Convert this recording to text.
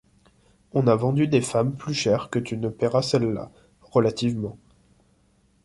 On a vendu des femmes plus cher que tu ne paieras celle-là, relativement.